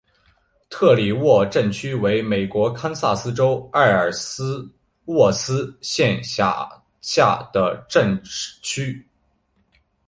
特里沃利镇区为美国堪萨斯州埃尔斯沃思县辖下的镇区。